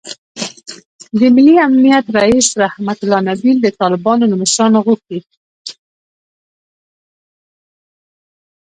د ملي امنیت رییس رحمتالله نبیل د طالبانو له مشرانو غوښتي